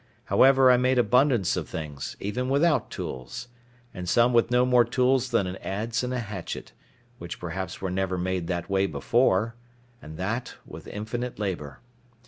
However, I made abundance of things, even without tools; and some with no more tools than an adze and a hatchet, which perhaps were never made that way before, and that with infinite labour.